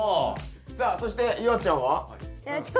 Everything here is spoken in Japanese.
さあそして夕空ちゃんは？